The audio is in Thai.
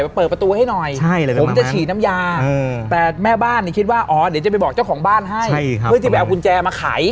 เปิดประตูให้หน่อยผมจะฉีดน้ำยาแต่แม่บ้านคิดว่าอ๋อเดี๋ยวจะไปบอกเจ้าของบ้านให้เพื่อที่ไปเอากุญแจมาขาย